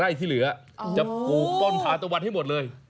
๒๐ไร่ที่เหลือจะปลูกพรรณทานตะวันให้หมดเลย